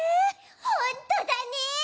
ほんとだね！